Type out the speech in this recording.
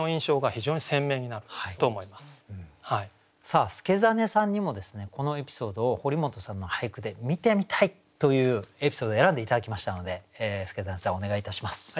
さあ祐真さんにもですね「このエピソードを堀本さんの俳句で見てみたい」というエピソード選んで頂きましたので祐真さんお願いいたします。